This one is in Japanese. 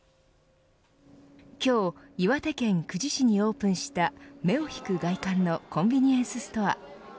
今日、岩手県久慈市にオープンした目を引く外観のコンビニエンスストア。